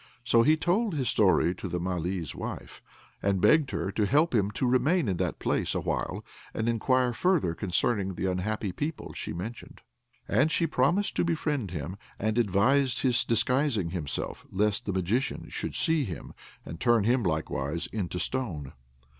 So he told his story to the Malee's wife, and begged her to help him to remain in that place awhile and inquire further concerning the unhappy people she mentioned; and she promised to befriend him, and advised his disguising himself lest the Magician should see him, and turn him likewise into stone.